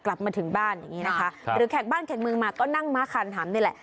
กลับมาถึงบ้านอย่างนี้นะคะหรือแขกบ้านแขกเมืองมาก็นั่งม้าคานถามนี่แหละ